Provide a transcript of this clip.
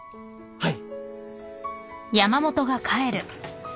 はい。